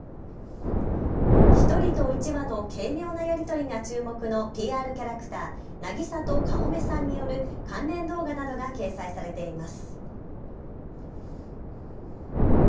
１人と１羽の軽妙なやり取りが注目のＰＲキャラクター、なぎさとカモメさんによる関連動画などが掲載されています。